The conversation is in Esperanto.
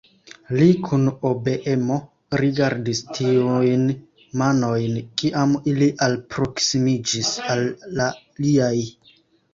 Li kun obeemo rigardis tiujn manojn, kiam ili alproksimiĝis al la liaj.